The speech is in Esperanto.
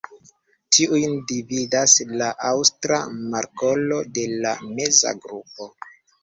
Tiujn dividas la Aŭstra markolo de la meza grupo.